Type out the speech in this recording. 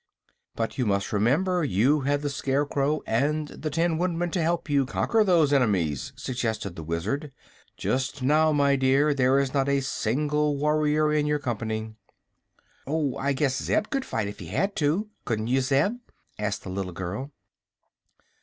"But you must remember you had the Scarecrow and the Tin Woodman to help you conquer those enemies," suggested the Wizard. "Just now, my dear, there is not a single warrior in your company." "Oh, I guess Zeb could fight if he had to. Couldn't you, Zeb?" asked the little girl.